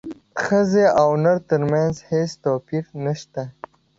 ښځې او نر ترمنځ هیڅ توپیر نشته